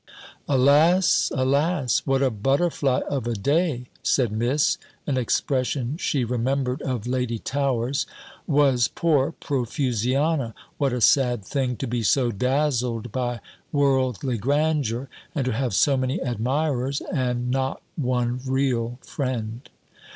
"Alas, alas! what a butterfly of a day," said Miss (an expression she remembered of Lady Towers), "was poor Profusiana! What a sad thing to be so dazzled by worldly grandeur, and to have so many admirers, and not one real friend!"